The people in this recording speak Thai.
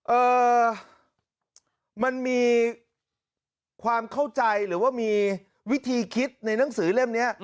เอ่อมันมีความเข้าใจหรือว่ามีวิธีคิดในหนังสือเล่มนี้